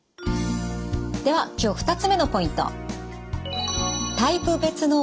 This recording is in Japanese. では今日２つ目のポイント。